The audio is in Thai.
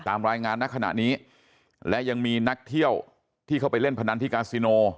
ตามรายงานณขณะนี้และยังมีนักเที่ยวที่เข้าไปเล่นพนันที่กาซิโน